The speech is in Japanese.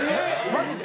マジで？